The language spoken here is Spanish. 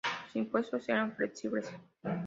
Los impuestos eran flexibles.